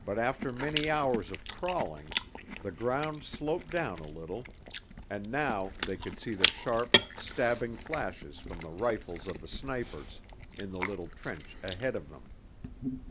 But after many hours of crawling the ground sloped down a little, and now they could see the sharp, stabbing flashes from the rifles of the snipers in the little trench ahead of them.